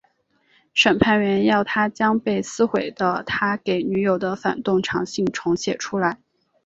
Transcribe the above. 审判员要他将被撕毁的他给女友的反动长信重写出来。